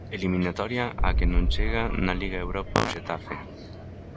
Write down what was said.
Eliminatoria á que non chega na Liga Europa o Xetafe.